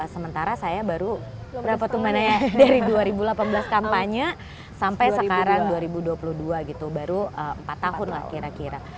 sementara saya baru dari dua ribu delapan belas kampanye sampai sekarang dua ribu dua puluh dua gitu baru empat tahun lah kira kira